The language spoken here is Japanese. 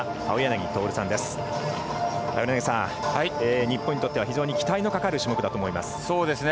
青柳さん、日本にとっては非常に期待のかかる種目だと思います。